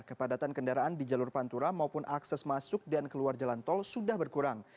kepadatan kendaraan di jalur pantura maupun akses masuk dan keluar jalan tol sudah berkurang